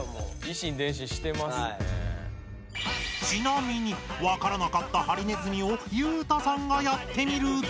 ちなみにわからなかったハリネズミを裕太さんがやってみると？